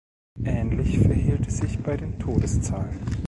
Ähnlich verhielt es sich bei den Todeszahlen.